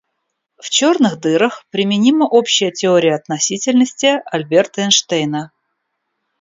В черных дырах применима общая теория относительности Альберта Эйнштейна.